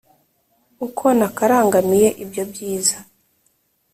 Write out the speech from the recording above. Uko nakarangamiye ibyo byiza,